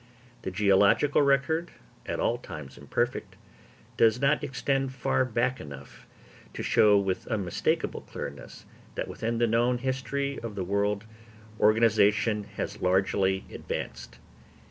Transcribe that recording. The geological record, at all times imperfect, does not extend far enough back to show with unmistakable clearness that within the known history of the world organisation has largely advanced.